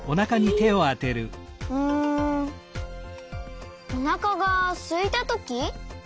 うんおなかがすいたとき？